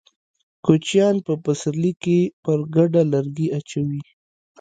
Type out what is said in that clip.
کوچيان په پسرلي کې پر کډه لرګي اچوي.